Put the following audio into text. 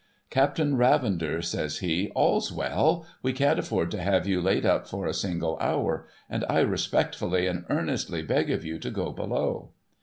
' Captain Ravender,' says he, ' all's well ; we can't afiford to have you laid up for a single hour; and I respectfully and earnestly beg of you to go below.'